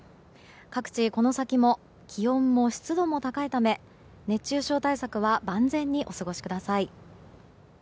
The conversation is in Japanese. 各地、この先も気温も湿度も高いため熱中症対策は万全にお過ごしください。